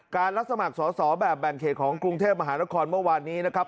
รับสมัครสอสอแบบแบ่งเขตของกรุงเทพมหานครเมื่อวานนี้นะครับ